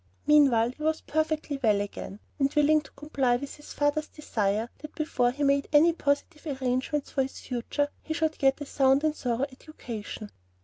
Meanwhile, he was perfectly well again, and willing to comply with his father's desire that before he made any positive arrangements for his future, he should get a sound and thorough education.